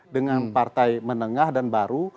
dengan partai menengah dan baru